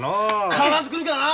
必ず来るからな。